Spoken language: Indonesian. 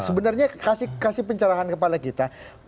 sebenarnya kasih pencerahan kepada kita